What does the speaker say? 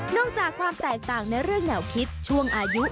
จากความแตกต่างในเรื่องแนวคิดช่วงอายุ